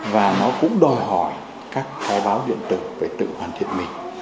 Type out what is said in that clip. và nó cũng đòi hỏi các cái báo điện tử về tự hoàn thiện mình